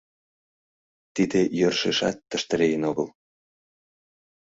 — Тиде йӧршешат тыште лийын огыл.